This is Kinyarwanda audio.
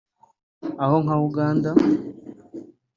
aho nka Uganda